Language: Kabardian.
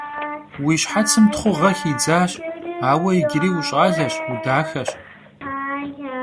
Vui şhetsım txhuğe xidzaş, aue yicıri vuş'aleş, vudaxeş.